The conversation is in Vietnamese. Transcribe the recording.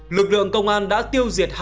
lực lượng công an đã tiêu diệt